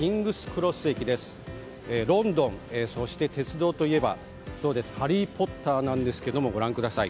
ロンドン、そして鉄道といえばそうです「ハリー・ポッター」なんですけど、ご覧ください。